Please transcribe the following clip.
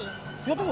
でも